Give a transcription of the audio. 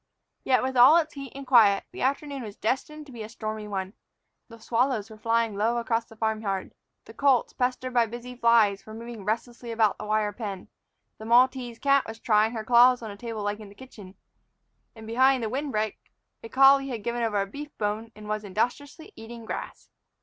Yet, with all its heat and quiet, the afternoon was destined to be a stormy one. The swallows were flying low across the farm yard; the colts, pestered by busy flies, were moving restlessly about the wire pen; the Maltese cat was trying her claws on a table leg in the kitchen; and, behind the wind break, a collie had given over a beef bone and was industriously eating grass.